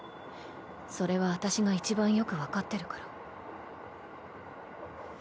それは私がいちばんよく分かってるから。